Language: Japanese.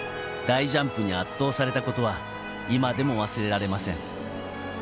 大ジャンプに圧倒されたことは今でも忘れられません。